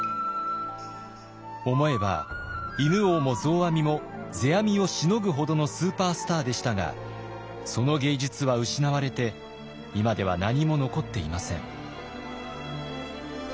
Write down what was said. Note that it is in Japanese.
思えば犬王も増阿弥も世阿弥をしのぐほどのスーパースターでしたがその芸術は失われて今では何も残っていません。